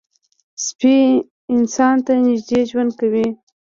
سپي انسان ته نږدې ژوند کوي.